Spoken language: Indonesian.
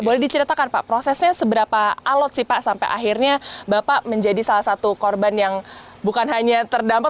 boleh diceritakan pak prosesnya seberapa alot sih pak sampai akhirnya bapak menjadi salah satu korban yang bukan hanya terdampak